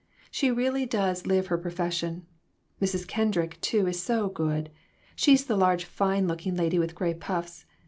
She really does live her profes sion. Mrs. Kendrick, too, is so good. She's the large, fine looking lady, with gray puffs.